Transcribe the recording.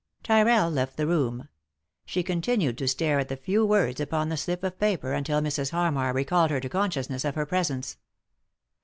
Tyrrell left the room. She continued to stare at the few words upon the slip of paper until Mrs. Harmar recalled her to consciousness of her presence.